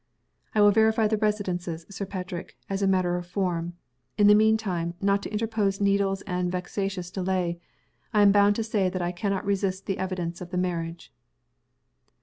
"I will verify the references, Sir Patrick, as matter of form. In the mean time, not to interpose needless and vexatious delay, I am bound to say that I can not resist the evidence of the marriage."